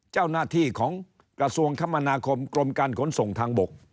เจ้าหน้าที่ของกระทรวงคมนาคมกรมการขนส่งทางบก